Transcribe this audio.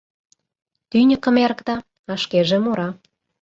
Тӱньыкым эрыкта, а шкеже мура.